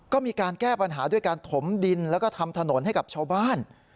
ก็มีการแก้ปัญหาด้วยการถมดินแล้วก็ทำถนนให้กับชาวบ้าน